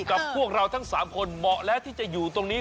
กับพวกเราทั้ง๓คนเหมาะแล้วที่จะอยู่ตรงนี้